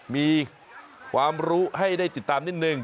มีความรู้ให้ได้ติดตามนิดนึง